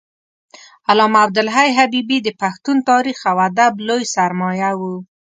علامه عبدالحی حبیبي د پښتون تاریخ او ادب لوی سرمایه و